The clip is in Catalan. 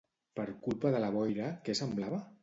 Per culpa de la boira, què semblava?